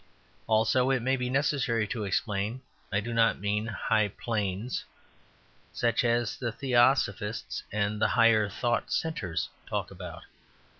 Also (it may be necessary to explain) I do not mean "high planes" such as the Theosophists and the Higher Thought Centres talk about.